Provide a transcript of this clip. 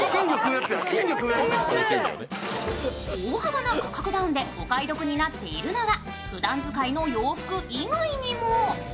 大幅な価格ダウンにお買い得になっているのは、ふだん使いの洋服以外にも。